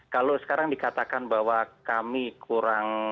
kalau sekarang dikatakan bahwa kami kurang